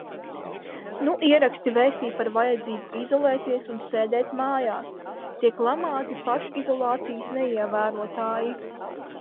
Nu ieraksti vēstī par vajadzību izolēties un sēdēt mājās, tiek lamāti pašizolācijas neievērotāji.